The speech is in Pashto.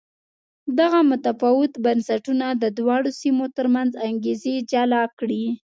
دغه متفاوت بنسټونه د دواړو سیمو ترمنځ انګېزې جلا کړې.